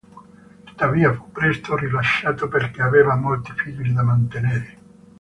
Tuttavia, fu presto rilasciato perché aveva molti figli da mantenere.